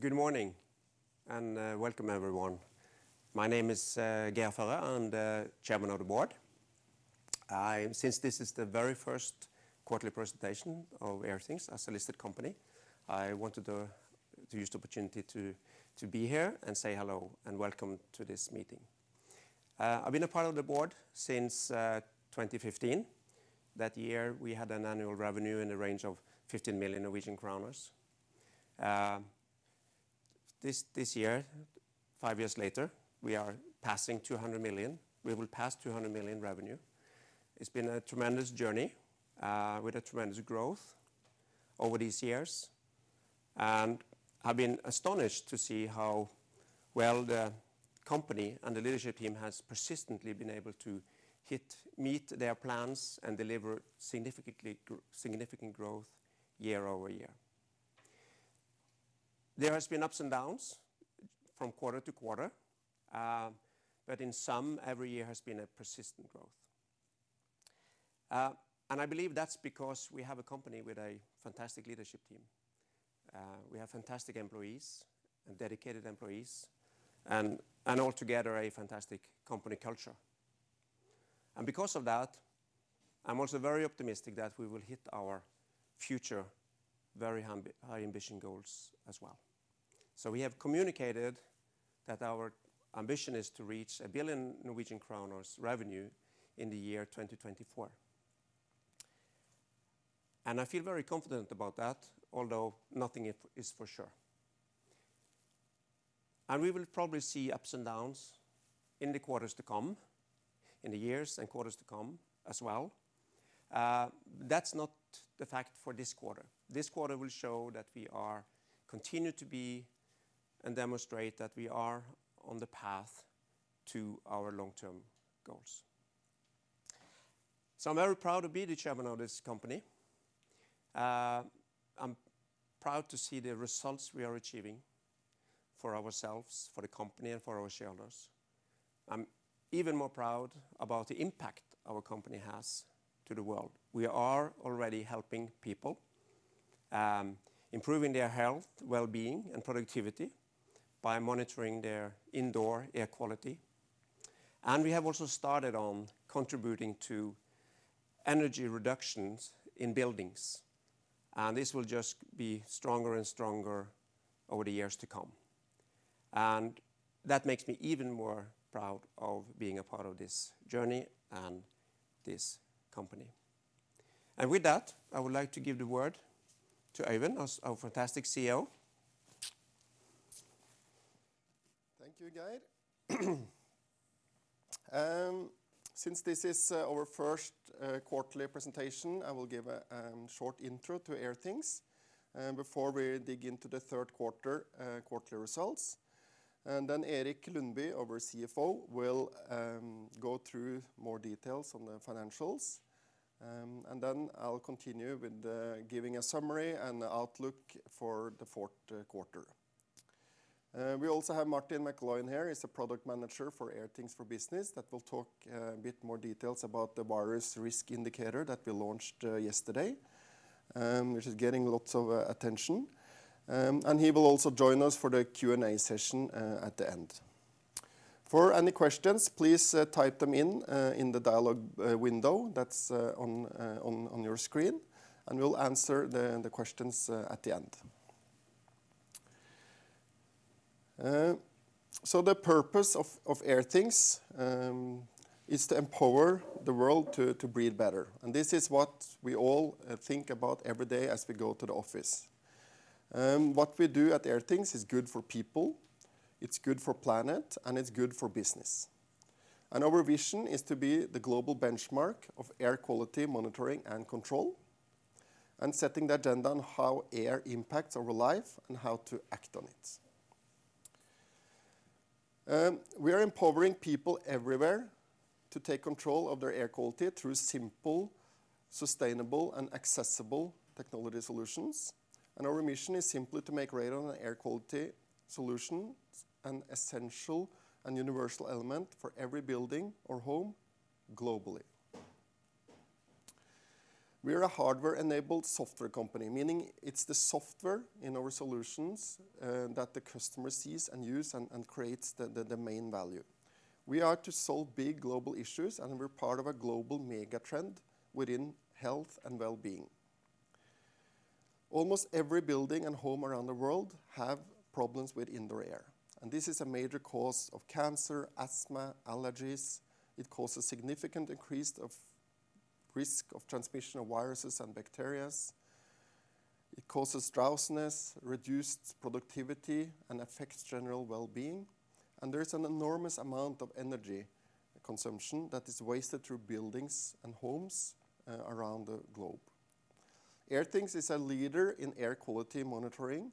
Good morning, and welcome everyone. My name is Geir Førre, I'm the Chairman of the Board. Since this is the very first quarterly presentation of Airthings as a listed company, I wanted to use the opportunity to be here and say hello and welcome to this meeting. I've been a part of the board since 2015. That year, we had an annual revenue in the range of 15 million Norwegian kroner. This year, five years later, we will pass 200 million revenue. It's been a tremendous journey, with a tremendous growth over these years. I've been astonished to see how well the company and the leadership team has persistently been able to meet their plans and deliver significant growth year-over-year. There has been ups and downs from quarter to quarter, but in some, every year has been a persistent growth. I believe that's because we have a company with a fantastic leadership team. We have fantastic employees and dedicated employees and altogether a fantastic company culture and because of that, I'm also very optimistic that we will hit our future very high ambition goals as well. We have communicated that our ambition is to reach 1 billion Norwegian kroner revenue in 2024. I feel very confident about that, although nothing is for sure. We will probably see ups and downs in the quarters to come, in the years and quarters to come as well. That's not the fact for this quarter. This quarter will show that we are continued to be and demonstrate that we are on the path to our long-term goals. I'm very proud to be the chairman of this company. I'm proud to see the results we are achieving for ourselves, for the company, and for our shareholders. I'm even more proud about the impact our company has to the world. We are already helping people, improving their health, wellbeing, and productivity by monitoring their indoor air quality. We have also started on contributing to energy reductions in buildings, and this will just be stronger and stronger over the years to come. That makes me even more proud of being a part of this journey and this company. With that, I would like to give the word to Øyvind, our fantastic CEO. Thank you, Geir. Since this is our first quarterly presentation, I will give a short intro to Airthings before we dig into the third quarter quarterly results. Erik Lundby, our CFO, will go through more details on the financials. I'll continue with giving a summary and outlook for the fourth quarter. We also have Martin McLoughlin here, he's a Product Manager for Airthings for Business that will talk a bit more details about the Virus Risk Indicator that we launched yesterday, which is getting lots of attention. He will also join us for the Q&A session at the end. For any questions, please type them in in the dialogue window that's on your screen, we'll answer the questions at the end. The purpose of Airthings is to empower the world to breathe better, and this is what we all think about every day as we go to the office. What we do at Airthings is good for people, it's good for planet, and it's good for business. Our vision is to be the global benchmark of air quality monitoring and control, and setting the agenda on how air impacts our life and how to act on it. We are empowering people everywhere to take control of their air quality through simple, sustainable, and accessible technology solutions. Our mission is simply to make radon air quality solutions an essential and universal element for every building or home globally. We are a hardware-enabled software company, meaning it's the software in our solutions that the customer sees and use and creates the main value. We are to solve big global issues, and we're part of a global mega-trend within health and wellbeing. Almost every building and home around the world have problems with indoor air, and this is a major cause of cancer, asthma, allergies. It causes significant increased risk of transmission of viruses and bacteria. It causes drowsiness, reduced productivity, and affects general wellbeing. There is an enormous amount of energy consumption that is wasted through buildings and homes around the globe. Airthings is a leader in air quality monitoring,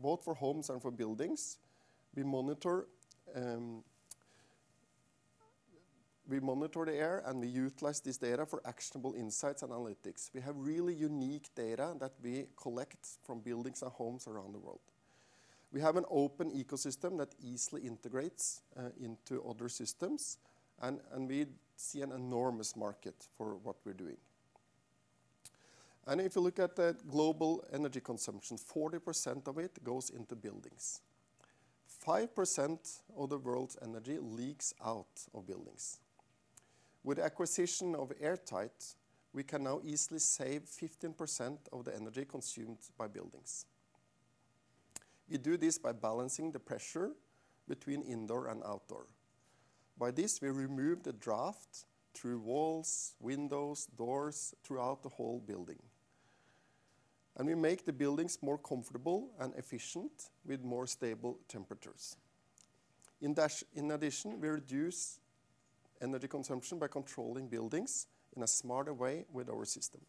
both for homes and for buildings. We monitor the air, and we utilize this data for actionable insights and analytics. We have really unique data that we collect from buildings and homes around the world. We have an open ecosystem that easily integrates into other systems, and we see an enormous market for what we're doing. If you look at the global energy consumption, 40% of it goes into buildings. 5% of the world's energy leaks out of buildings. With acquisition of Airtight, we can now easily save 15% of the energy consumed by buildings. We do this by balancing the pressure between indoor and outdoor. By this, we remove the draft through walls, windows, doors, throughout the whole building, and we make the buildings more comfortable and efficient with more stable temperatures. In addition, we reduce energy consumption by controlling buildings in a smarter way with our system.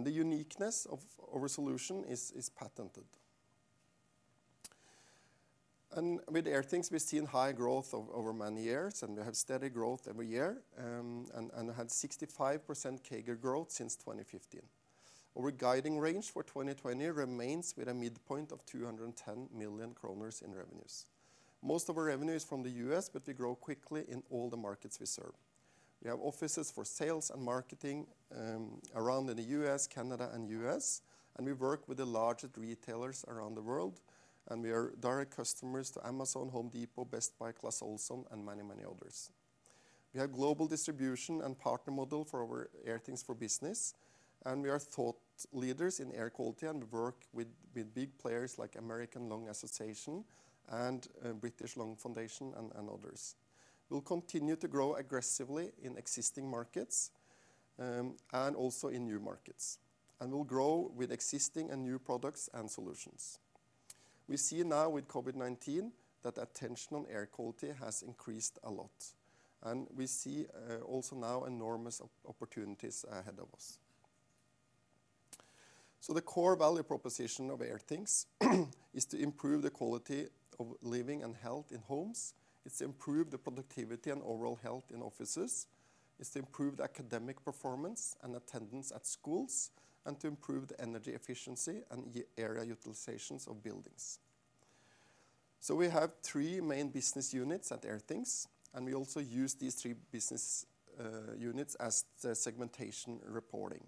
The uniqueness of our solution is patented. With Airthings, we've seen high growth over many years, and we have steady growth every year, and had 65% CAGR growth since 2015. Our guiding range for 2020 remains with a midpoint of 210 million kroner in revenues. Most of our revenue is from the U.S., but we grow quickly in all the markets we serve. We have offices for sales and marketing around in the U.S., Canada and U.S., and we work with the largest retailers around the world, and we are direct customers to Amazon, Home Depot, Best Buy, Clas Ohlson and many, many others. We have global distribution and partner model for our Airthings for Business, and we are thought leaders in air quality and work with big players like American Lung Association and British Lung Foundation and others. We'll continue to grow aggressively in existing markets, and also in new markets, and will grow with existing and new products and solutions. We see now with COVID-19 that attention on air quality has increased a lot, and we see also now enormous opportunities ahead of us. The core value proposition of Airthings is to improve the quality of living and health in homes, it's to improve the productivity and overall health in offices, it's to improve the academic performance and attendance at schools, and to improve the energy efficiency and area utilizations of buildings. We have three main business units at Airthings, and we also use these three business units as the segmentation reporting.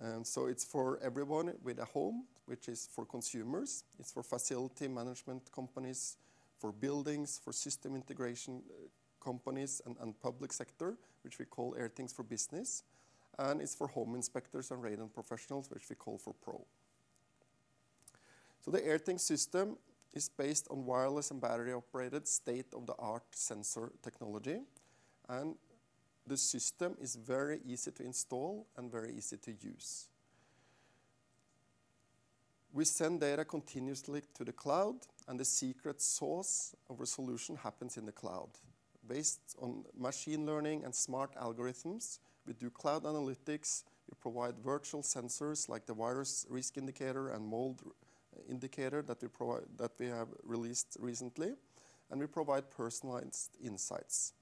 It's for everyone with a home which is for consumers, it's for facility management companies, for buildings, for system integration companies and public sector, which we call Airthings for Business, and it's for home inspectors and radon professionals, which we call For Pro. The Airthings system is based on wireless and battery-operated state-of-the-art sensor technology, and the system is very easy to install and very easy to use. We send data continuously to the cloud, and the secret sauce of our solution happens in the cloud. Based on machine learning and smart algorithms, we do cloud analytics, we provide virtual sensors like the Virus Risk Indicator and Mold Risk Indicator that we have released recently, and we provide personalized insights.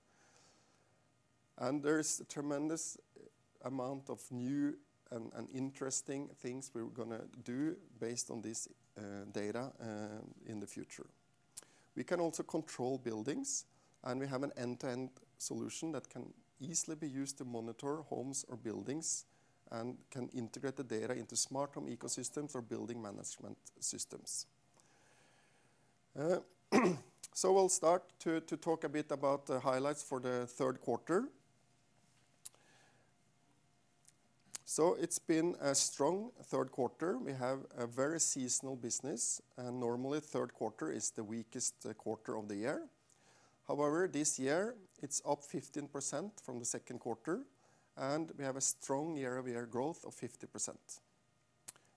There is a tremendous amount of new and interesting things we're going to do based on this data in the future. We can also control buildings, and we have an end-to-end solution that can easily be used to monitor homes or buildings and can integrate the data into smart home ecosystems or building management systems. We'll start to talk a bit about the highlights for the third quarter. It's been a strong third quarter. We have a very seasonal business, and normally third quarter is the weakest quarter of the year. However, this year, it's up 15% from the second quarter, and we have a strong year-over-year growth of 50%.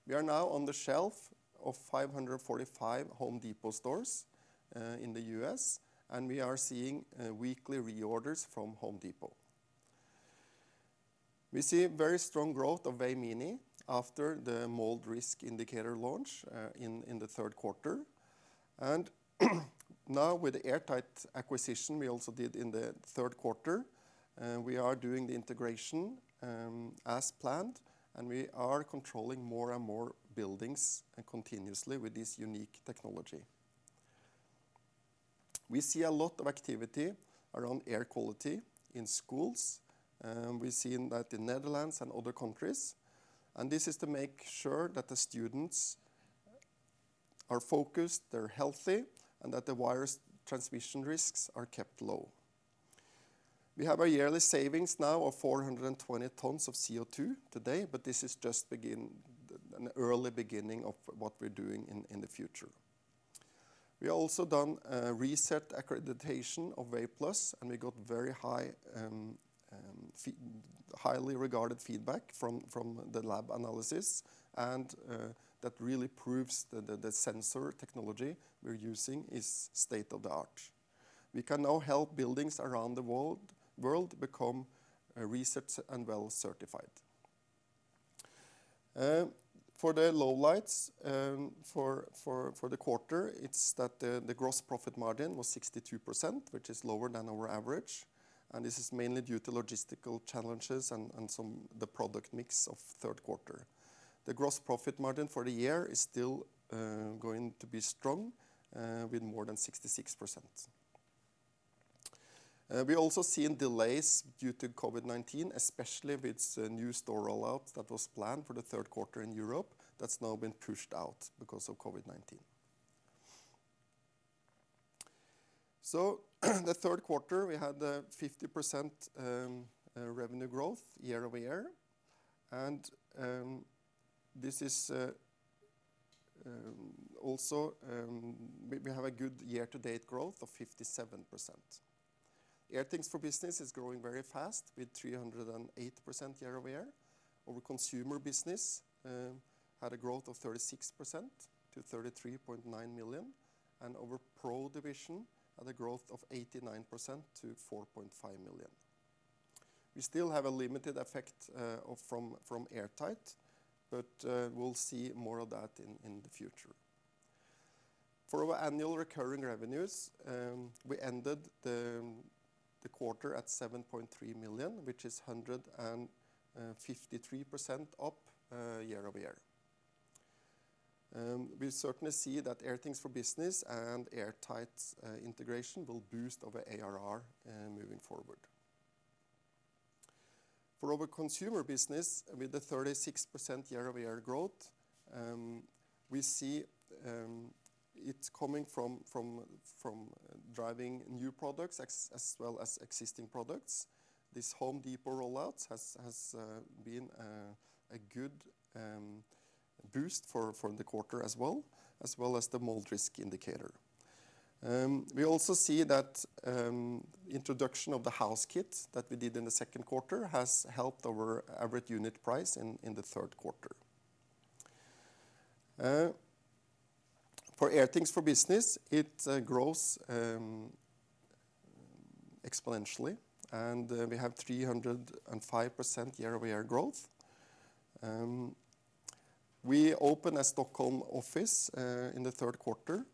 We are now on the shelf of 545 The Home Depot stores in the U.S., and we are seeing weekly reorders from The Home Depot. We see very strong growth of Wave Mini after the Mold Risk Indicator launch in the third quarter. Now with the Airtight acquisition we also did in the third quarter, we are doing the integration as planned, and we are controlling more and more buildings and continuously with this unique technology. We see a lot of activity around air quality in schools. We've seen that in Netherlands and other countries. This is to make sure that the students are focused, they're healthy, and that the virus transmission risks are kept low. We have a yearly savings now of 420 tons of CO2 today. This is just an early beginning of what we're doing in the future. We also done a RESET Accreditation of Wave Plus. We got very highly regarded feedback from the lab analysis. That really proves that the sensor technology we're using is state of the art. We can now help buildings around the world become RESET and WELL Certified. For the lowlights for the quarter, it's that the gross profit margin was 62%, which is lower than our average. This is mainly due to logistical challenges and the product mix of third quarter. The gross profit margin for the year is still going to be strong, with more than 66%. We also seen delays due to COVID-19, especially with new store rollouts that was planned for the third quarter in Europe, that's now been pushed out because of COVID-19. The third quarter, we had the 50% revenue growth year-over-year. Also, we have a good year-to-date growth of 57%. Airthings for Business is growing very fast with 308% year-over-year. Our consumer business had a growth of 36% to 33.9 million, and our Pro division had a growth of 89% to 4.5 million. We still have a limited effect from Airtight, but we'll see more of that in the future. For our Annual Recurring Revenues, we ended the quarter at 7.3 million, which is 153% up year-over-year. We certainly see that Airthings for Business and Airtight's integration will boost our ARR moving forward. For our consumer business, with the 36% year-over-year growth, we see it's coming from driving new products as well as existing products. This Home Depot rollout has been a good boost for the quarter as well, as well as the Mold Risk Indicator. We also see that introduction of the House Kit that we did in the second quarter has helped our average unit price in the third quarter. For Airthings for Business, it grows exponentially, and we have 305% year-over-year growth. We opened a Stockholm office in the third quarter,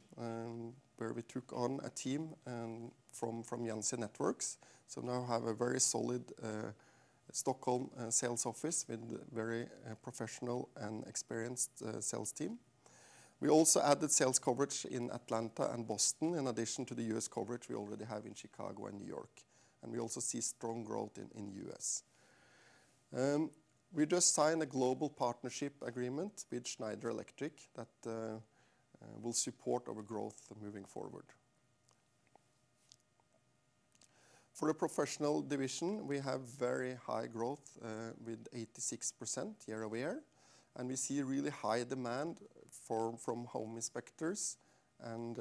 where we took on a team from Yanzi Networks, so now have a very solid Stockholm sales office with very professional and experienced sales team. We also added sales coverage in Atlanta and Boston in addition to the U.S. coverage we already have in Chicago and New York. We also see strong growth in U.S. We just signed a global partnership agreement with Schneider Electric that will support our growth moving forward. For the professional division, we have very high growth with 86% year-over-year. We see really high demand from home inspectors and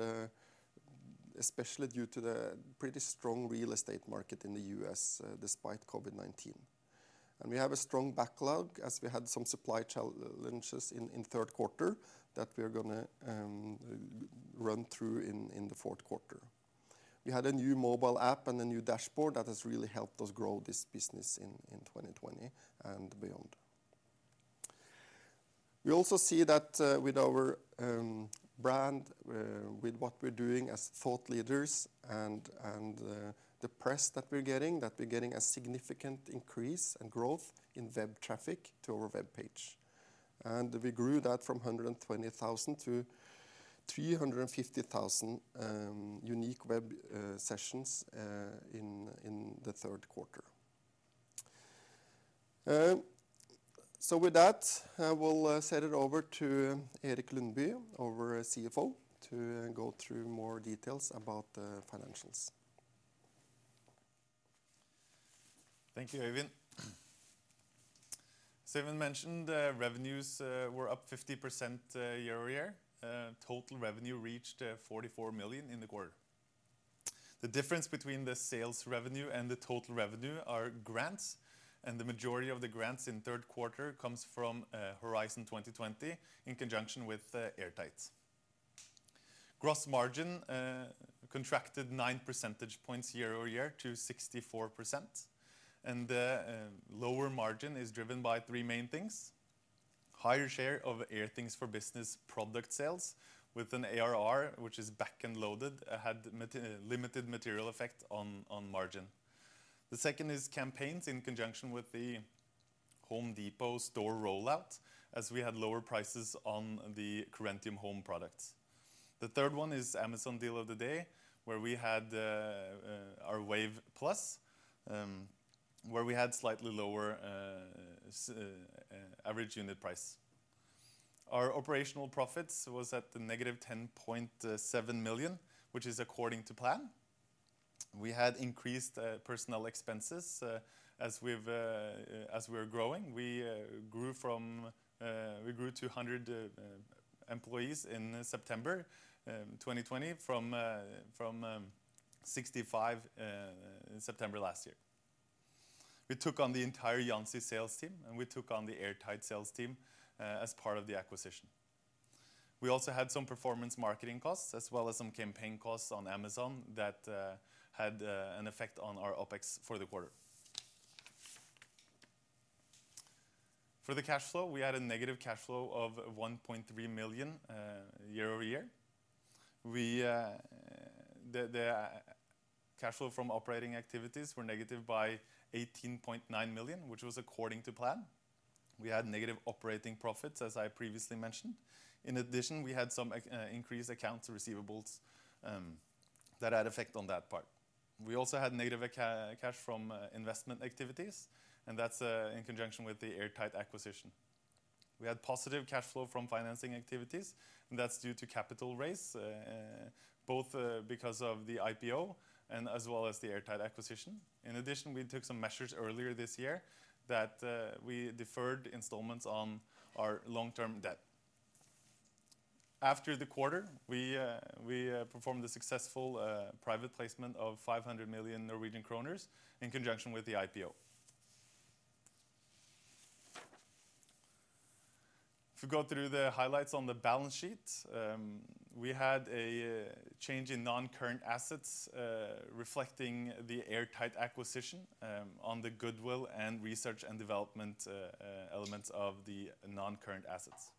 especially due to the pretty strong real estate market in the U.S., despite COVID-19. We have a strong backlog as we had some supply challenges in third quarter that we are going to run through in the fourth quarter. We had a new mobile app and a new dashboard that has really helped us grow this business in 2020 and beyond. We also see that with our brand, with what we're doing as thought leaders and the press that we're getting, that we're getting a significant increase and growth in web traffic to our web page. We grew that from 120,000 to 350,000 unique web sessions in the third quarter. With that, I will send it over to Erik Lundby, our CFO, to go through more details about the financials. Thank you, Øyvind. Øyvind mentioned revenues were up 50% year-over-year. Total revenue reached 44 million in the quarter. The difference between the sales revenue and the total revenue are grants. The majority of the grants in third quarter comes from Horizon 2020 in conjunction with Airtight. Gross margin contracted 9 percentage points year-over-year to 64%. Lower margin is driven by three main things. Higher share of Airthings for Business product sales with an ARR which is back-end loaded, had limited material effect on margin. The second is campaigns in conjunction with The Home Depot store rollout, as we had lower prices on the Corentium Home products. The third one is Amazon Deal of the Day, our Wave Plus, where we had slightly lower average unit price. Our operational profits was at the -10.7 million, which is according to plan. We had increased personal expenses as we're growing. We grew to 100 employees in September 2020 from 65 in September last year. We took on the entire Yanzi sales team, and we took on the Airtight sales team as part of the acquisition. We also had some performance marketing costs as well as some campaign costs on Amazon that had an effect on our OpEx for the quarter. For the cash flow, we had a negative cash flow of 1.3 million year-over-year. The cash flow from operating activities were negative by 18.9 million, which was according to plan. We had negative operating profits, as I previously mentioned. In addition, we had some increased accounts receivables that had effect on that part. We also had negative cash from investment activities, and that's in conjunction with the Airtight acquisition. We had positive cash flow from financing activities, that's due to capital raise, both because of the IPO and as well as the Airtight acquisition. In addition, we took some measures earlier this year that we deferred installments on our long-term debt. After the quarter, we performed a successful private placement of 500 million Norwegian kroner in conjunction with the IPO. If you go through the highlights on the balance sheet, we had a change in non-current assets reflecting the Airtight acquisition on the goodwill and research and development elements of the non-current assets.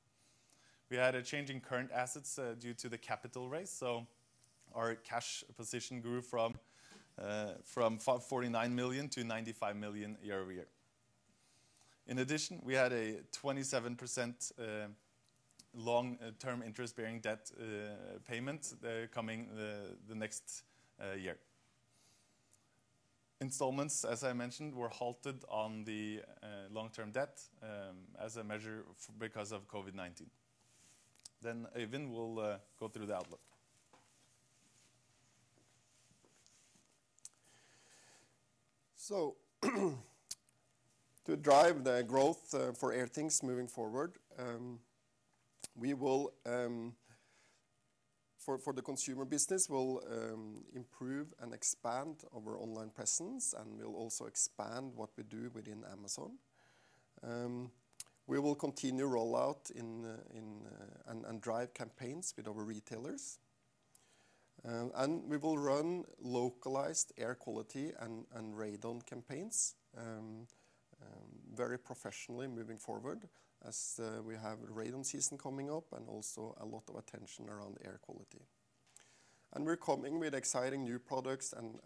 We had a change in current assets due to the capital raise, our cash position grew from 44.9 million to 95 million year-over-year. In addition, we had a 27% long-term interest-bearing debt payment coming the next year. Installments, as I mentioned, were halted on the long-term debt as a measure because of COVID-19. Øyvind will go through the outlook. To drive the growth for Airthings moving forward, for the consumer business, we'll improve and expand our online presence, and we'll also expand what we do within Amazon. We will continue rollout and drive campaigns with our retailers. We will run localized air quality and radon campaigns very professionally moving forward as we have radon season coming up and also a lot of attention around air quality. We're coming with exciting new products and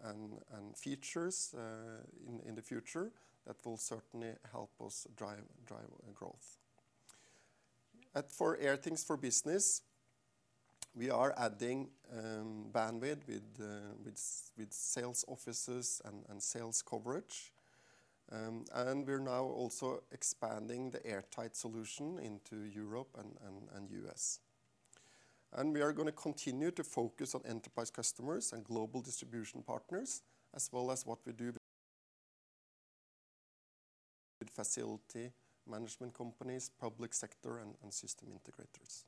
features in the future that will certainly help us drive growth. For Airthings For Business, we are adding bandwidth with sales offices and sales coverage, and we are now also expanding the Airtight solution into Europe and the U.S. We are going to continue to focus on enterprise customers and global distribution partners, as well as what we do with facility management companies, public sector, and system integrators.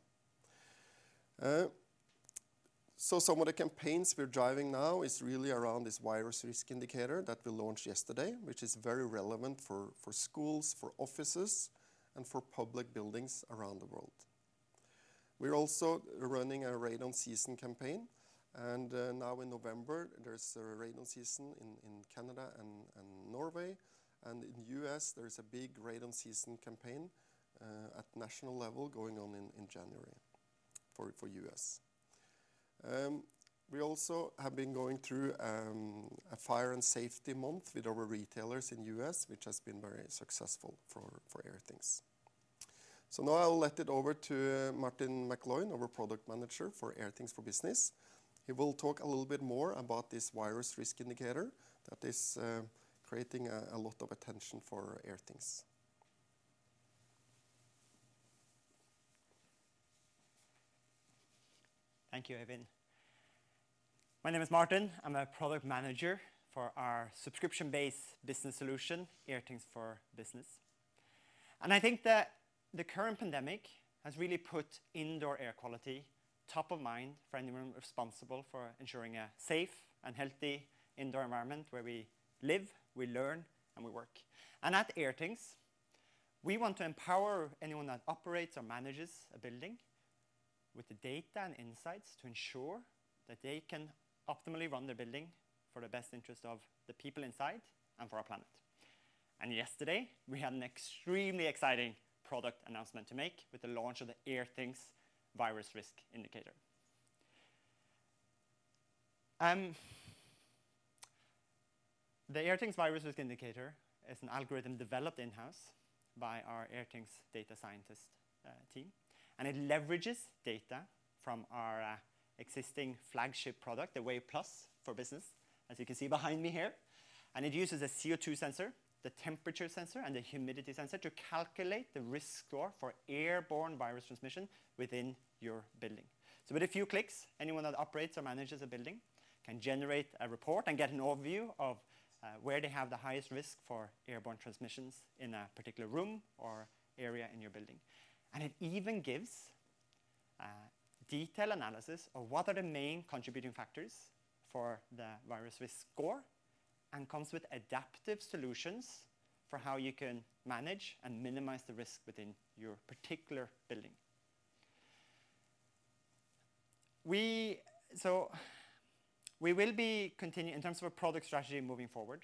Some of the campaigns we're driving now is really around this Virus Risk Indicator that we launched yesterday, which is very relevant for schools, for offices, and for public buildings around the world. We're also running a radon season campaign, and now in November, there's a radon season in Canada and Norway. In the U.S., there's a big radon season campaign at national level going on in January for U.S. We also have been going through a fire and safety month with our retailers in the U.S., which has been very successful for Airthings. Now I'll let it over to Martin McLoughlin, our Product Manager for Airthings for Business. He will talk a little bit more about this Virus Risk Indicator that is creating a lot of attention for Airthings. Thank you, Øyvind. My name is Martin. I'm a product manager for our subscription-based business solution, Airthings for Business. I think that the current pandemic has really put indoor air quality top of mind for anyone responsible for ensuring a safe and healthy indoor environment where we live, we learn, and we work. At Airthings, we want to empower anyone that operates or manages a building with the data and insights to ensure that they can optimally run their building for the best interest of the people inside and for our planet. Yesterday, we had an extremely exciting product announcement to make with the launch of the Airthings Virus Risk Indicator. The Airthings Virus Risk Indicator is an algorithm developed in-house by our Airthings data scientist team. It leverages data from our existing flagship product, the Wave Plus for Business, as you can see behind me here. It uses a CO2 sensor, the temperature sensor, and the humidity sensor to calculate the risk score for airborne virus transmission within your building. With a few clicks, anyone that operates or manages a building can generate a report and get an overview of where they have the highest risk for airborne transmissions in a particular room or area in your building. It even gives a detailed analysis of what are the main contributing factors for the virus risk score and comes with adaptive solutions for how you can manage and minimize the risk within your particular building. We will be continuing in terms of our product strategy moving forward.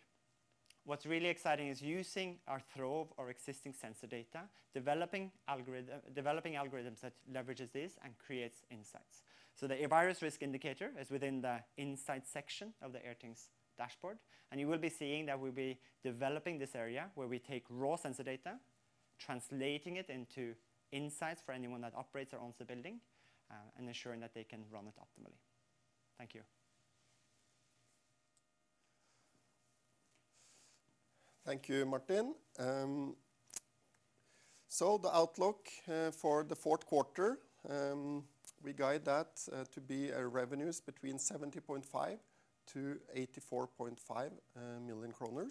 What's really exciting is using our trove or existing sensor data, developing algorithms that leverages this and creates insights. The Virus Risk Indicator is within the insight section of the Airthings dashboard, and you will be seeing that we'll be developing this area where we take raw sensor data translating it into insights for anyone that operates or owns the building and ensuring that they can run it optimally. Thank you. Thank you, Martin. The outlook for the fourth quarter, we guide that to be our revenues between 70.5 million to 84.5 million kroner.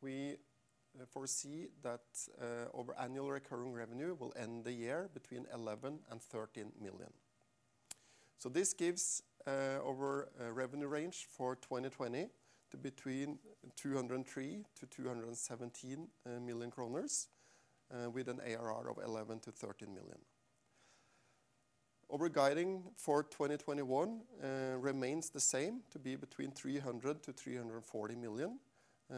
We foresee that our Annual Recurring Revenue will end the year between 11 million and 13 million. This gives our revenue range for 2020 to between 203 million-217 million kroner, with an ARR of 11 million-13 million. Our guiding for 2021 remains the same, to be between 300 million to 340 million,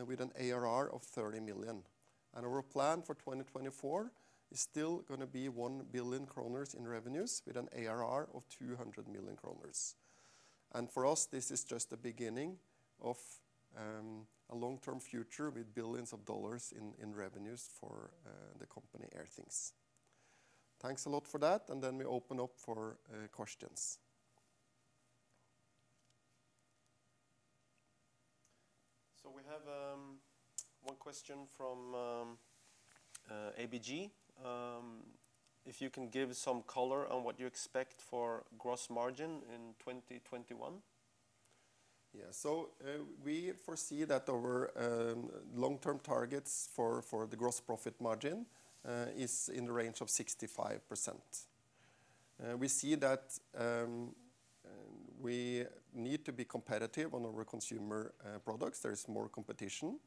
with an ARR of 30 million. Our plan for 2024 is still going to be 1 billion kroner in revenues, with an ARR of 200 million kroner. For us, this is just the beginning of a long-term future with billions of dollars in revenues for the company Airthings. Thanks a lot for that, we open up for questions. We have one question from ABG. If you can give some color on what you expect for gross margin in 2021? Yeah. We foresee that our long-term targets for the gross profit margin is in the range of 65%. We see that we need to be competitive on our consumer products. There is more competition.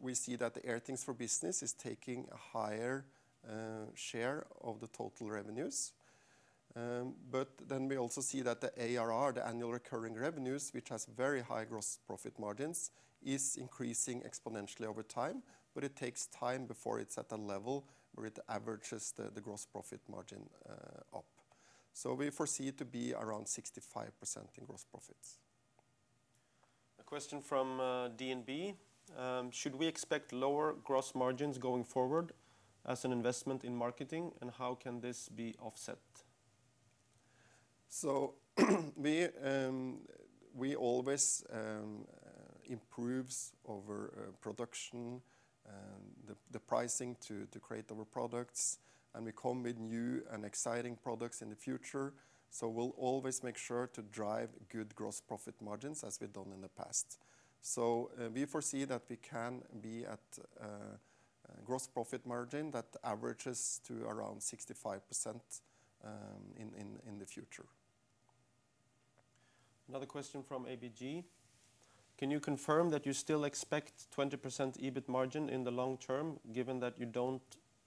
We see that the Airthings for Business is taking a higher share of the total revenues. We also see that the ARR, the Annual Recurring Revenues, which has very high gross profit margins, is increasing exponentially over time, but it takes time before it's at a level where it averages the gross profit margin up. We foresee it to be around 65% in gross profits. A question from DNB. Should we expect lower gross margins going forward as an investment in marketing, how can this be offset? We always improves our production, the pricing to create our products, and we come with new and exciting products in the future. We'll always make sure to drive good gross profit margins as we've done in the past. We foresee that we can be at a gross profit margin that averages to around 65% in the future. Another question from ABG. Can you confirm that you still expect 20% EBIT margin in the long term, given that you don't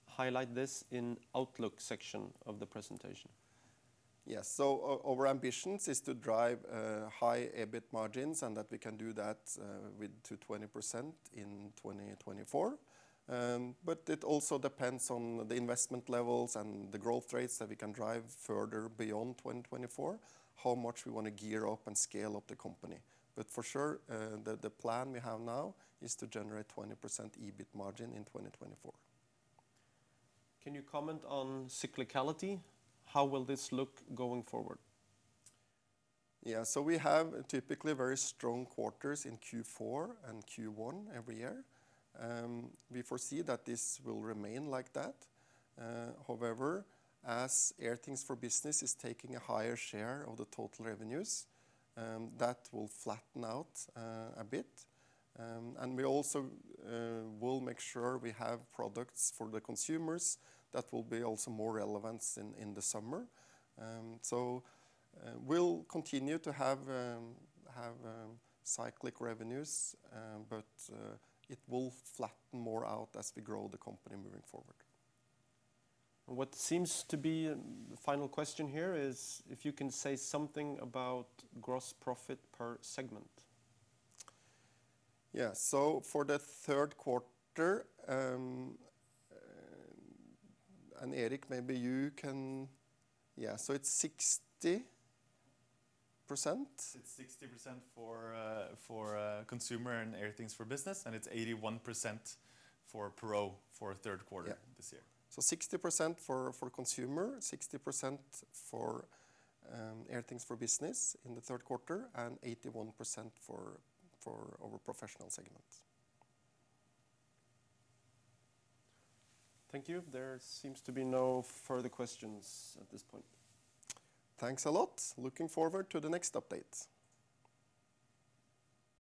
highlight this in outlook section of the presentation? Yes. Our ambitions is to drive high EBIT margins, and that we can do that to 20% in 2024. It also depends on the investment levels and the growth rates that we can drive further beyond 2024, how much we want to gear up and scale up the company. For sure, the plan we have now is to generate 20% EBIT margin in 2024. Can you comment on cyclicality? How will this look going forward? We have typically very strong quarters in Q4 and Q1 every year. We foresee that this will remain like that. However, as Airthings for Business is taking a higher share of the total revenues, that will flatten out a bit. We also will make sure we have products for the consumers that will be also more relevant in the summer. We'll continue to have cyclic revenues, but it will flatten more out as we grow the company moving forward. What seems to be the final question here is if you can say something about gross profit per segment. Yeah. For the third quarter, and Erik, maybe you can, yeah. It's 60%? It's 60% for Consumer and Airthings for Business. It's 81% for Pro for third quarter. Yeah. This year. 60% for Consumer, 60% for Airthings for Business in the third quarter, and 81% for our Professional segment. Thank you. There seems to be no further questions at this point. Thanks a lot. Looking forward to the next update.